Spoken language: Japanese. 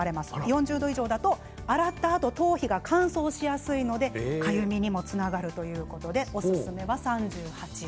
４０度以上だと洗ったあと頭皮が乾燥しやすいのでかゆみにもつながるということでおすすめは３８度。